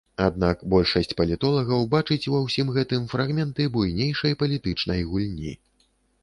Аднак большасць палітолагаў бачыць ва ўсім гэтым фрагменты буйнейшай палітычнай гульні.